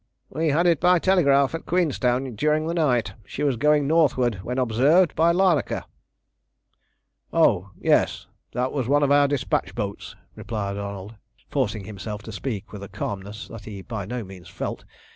"We had it by telegraph at Queenstown during the night. She was going northward, when observed, by Larnaka" "Oh yes, that was one of our despatch boats," replied Arnold, forcing himself to speak with a calmness that he by no means felt.